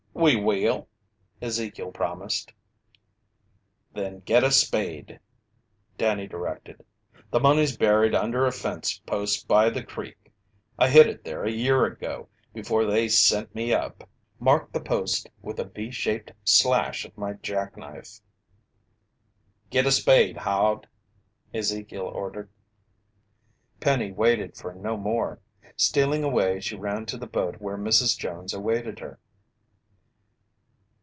"We will," Ezekiel promised. "Then get a spade," Danny directed. "The money's buried under a fence post by the creek. I hid it there a year ago before they sent me up. Marked the post with a V shaped slash of my jackknife." "Git a spade, Hod," Ezekiel ordered. Penny waited for no more. Stealing away, she ran to the boat where Mrs. Jones awaited her.